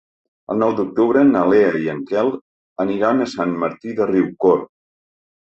El nou d'octubre na Lea i en Quel aniran a Sant Martí de Riucorb.